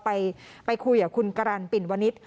ไปคุยกับคุณกรันปิ่นวนิษฐ